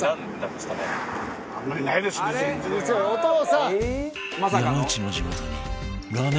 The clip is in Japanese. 「お父さん！」